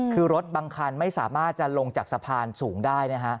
คือรถบางคันไม่สามารถจะลงจากสะพานสูงได้นะฮะ